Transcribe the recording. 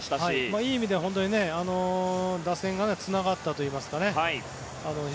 いい意味で打線がつながったといいますかね。